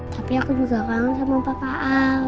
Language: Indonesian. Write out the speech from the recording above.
tapi aku juga kangen sama papa